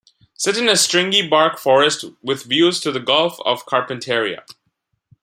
Set in a stringybark forest with views to the Gulf of Carpentaria.